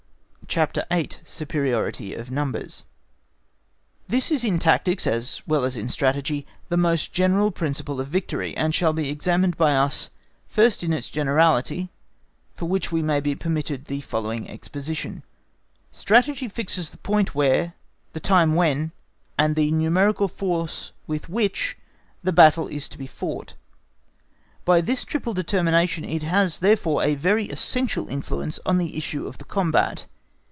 CHAPTER VIII. Superiority of Numbers This is in tactics, as well as in Strategy, the most general principle of victory, and shall be examined by us first in its generality, for which we may be permitted the following exposition: Strategy fixes the point where, the time when, and the numerical force with which the battle is to be fought. By this triple determination it has therefore a very essential influence on the issue of the combat.